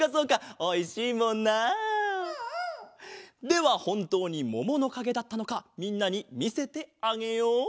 ではほんとうにもものかげだったのかみんなにみせてあげよう。